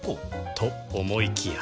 と思いきや